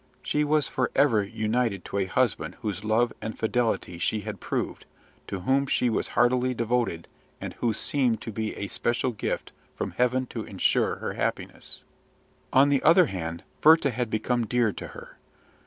She was for ever united to a husband whose love and fidelity she had proved, to whom she was heartily devoted, and who seemed to be a special gift from Heaven to ensure her happiness. On the other hand, Werther had become dear to her.